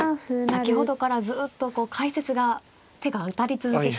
先ほどからずっとこう解説が手が当たり続けて。